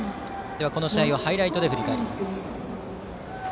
この試合をハイライトで振り返ります。